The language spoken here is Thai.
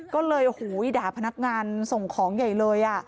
ก็เลยโอ้โหด่าพนักงานส่งของใหญ่เลย